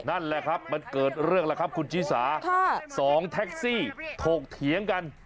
นั่นแหละมันเกิดเรื่องนะคุณฐีศาสองแท็กซี่ถกเถียงกัน